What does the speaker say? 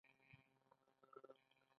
د هغې تورسرکي، د نیمې شپې